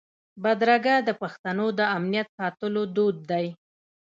بدرګه د پښتنو د امنیت ساتلو دود دی.